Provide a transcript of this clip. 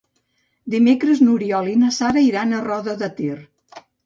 Dimecres n'Oriol i na Sara iran a Roda de Ter.